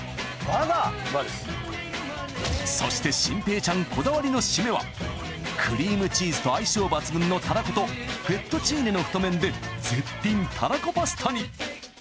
そして心平ちゃんこだわりのシメはクリームチーズと相性抜群のたらことフェットチーネの太麺で絶品たらこパスタに。